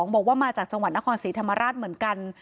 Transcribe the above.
บอกว่ามาจากจังหวัดนครศรีธรรมราชเหมือนกัน